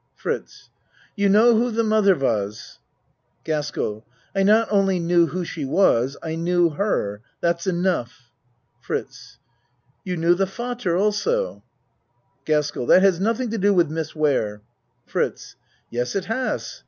FRITZ You know who the mother was? GASKELL I not only knew who she was I knew her. That's enough. FRITZ You knew the f adder also? GASKELL That has nothing to do with Miss Ware. FRITZ Yes, it has.